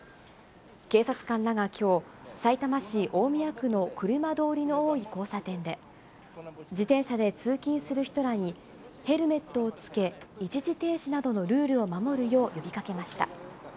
警察官らがきょう、さいたま市大宮区の車通りの多い交差点で、自転車で通勤する人らに、ヘルメットをつけ、一時停止などのルールを守るよう呼びかけました。